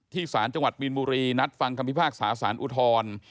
สารจังหวัดมีนบุรีนัดฟังคำพิพากษาสารอุทธร